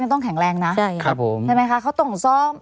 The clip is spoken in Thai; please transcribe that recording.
ต้องแข็งแรงนะใช่ครับผมใช่ไหมคะเขาต้องซ้อม